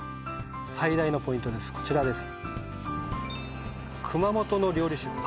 最大のポイントです